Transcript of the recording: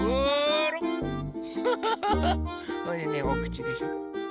それでねおくちでしょ。